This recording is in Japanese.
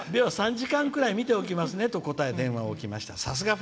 では、３時間くらいみておきますねと言い電話を置きました。